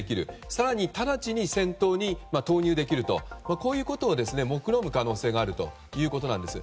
更に、直ちに戦闘に投入できるということをもくろむ可能性があるということなんです。